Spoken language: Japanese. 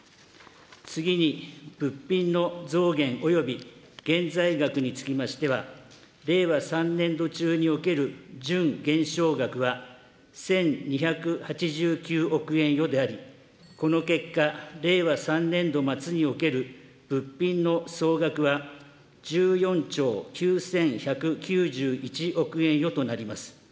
次に物品の増減および現在額につきましては、令和３年度中における純減少額は１２８９億円余であり、この結果、令和３年度末における物品の総額は１４兆９１９１億円余となります。